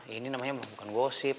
ini namanya mah bukan gosip